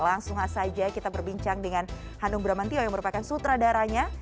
langsung saja kita berbincang dengan hanung bramantio yang merupakan sutradaranya